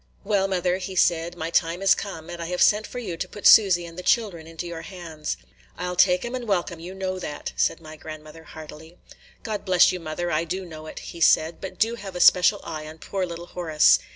"Well, mother," he said," my time is come, and I have sent for you to put Susy and the children into your hands." "I 'll take 'em and welcome, – you know that," said my grandmother heartily. "God bless you, mother, – I do know it," he said; "but do have a special eye on poor little Horace.